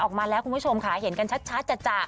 ออกมาแล้วคุณผู้ชมค่ะเห็นกันชัดจ่ะ